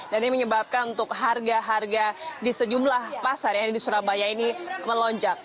dan ini menyebabkan untuk harga harga di sejumlah pasar yang di surabaya ini melonjak